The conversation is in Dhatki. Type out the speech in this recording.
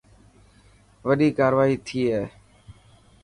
وڏي ڪارورائي ٿي هي.